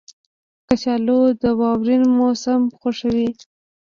کچالو د واورین موسم خوښوي